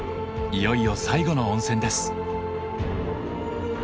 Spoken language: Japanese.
いよいよ最後の温泉です。